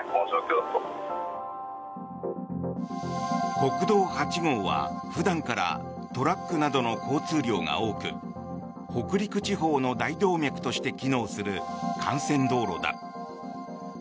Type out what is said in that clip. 国道８号は普段からトラックなどの交通量が多く北陸地方の大動脈として機能する幹線道路だ。